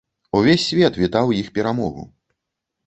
Увесь свет вітаў іх перамогу.